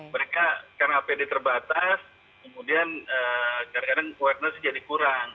mereka karena apd terbatas kemudian kadang kadang awarenessnya jadi kurang